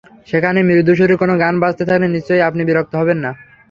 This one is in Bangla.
সেখানে মৃদুস্বরে কোনো গান বাজতে থাকলে নিশ্চয়ই আপনি বিরক্ত হবেন না।